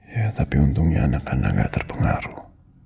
ya tapi untungnya anak anak nggak terpengaruh